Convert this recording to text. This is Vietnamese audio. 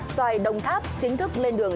xoay đồng tháp chính thức lên đường